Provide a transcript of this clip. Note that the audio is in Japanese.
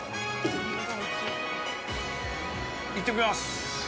行ってきます。